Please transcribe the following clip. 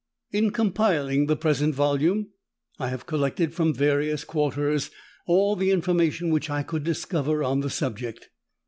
In compiling the present volume, I have collected, from various quarters, all the information which I could discover on the subject.